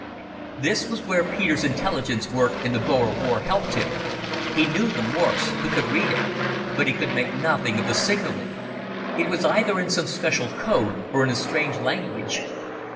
This was where Peter's intelligence work in the Boer War helped him. He knew the Morse, he could read it, but he could make nothing of the signalling. It was either in some special code or in a strange language.